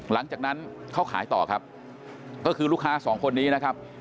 หลังจากนั้นเขาขายต่อครับก็คือลูกค้าสองคนนี้นะครับ